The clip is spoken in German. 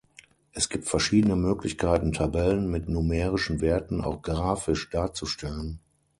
Es gibt verschiedene Möglichkeiten, Tabellen mit numerischen Werten auch grafisch darzustellen.